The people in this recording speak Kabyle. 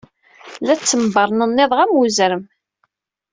La ttembernenniḍeɣ am wezrem.